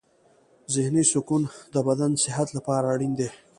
ذهني سکون د بدن صحت لپاره اړین دی.